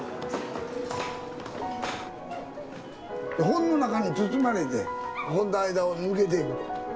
本の中に包まれて本の間を抜けていくと。